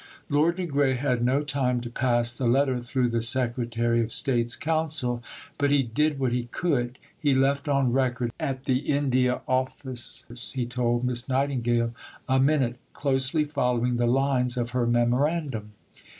Lord de Grey had no time to pass the letter through the Secretary of State's Council, but he did what he could. He left on record at the India Office, he told Miss Nightingale, a Minute closely following the lines of her Memorandum.